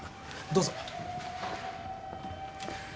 どうぞ。